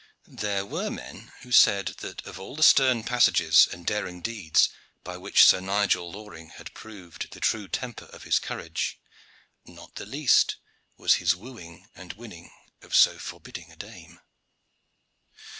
There were men who said that of all the stern passages and daring deeds by which Sir Nigel Loring had proved the true temper of his courage, not the least was his wooing and winning of so forbidding a dame.